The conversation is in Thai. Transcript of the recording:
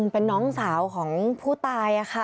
เป็นน้องสาวของผู้ตายค่ะ